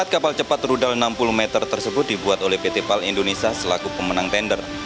empat kapal cepat rudal enam puluh meter tersebut dibuat oleh pt pal indonesia selaku pemenang tender